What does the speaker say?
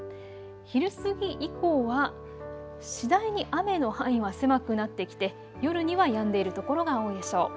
昼過ぎ以降は次第に雨の範囲は狭くなってきて夜にはやんでいる所が多いでしょう。